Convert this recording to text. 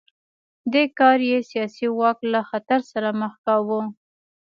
دې کار یې سیاسي واک له خطر سره مخ کاوه.